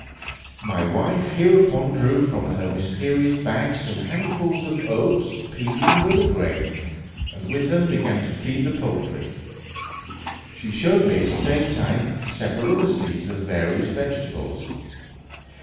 My wife hereupon drew from her mysterious bag some handfuls of oats, peas, and other grain, and with them began to feed the poultry. She showed me at the same time several other seeds of various vegetables.